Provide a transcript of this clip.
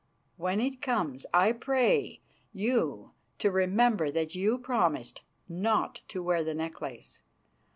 When it comes, I pray you to remember that you promised not to wear the necklace.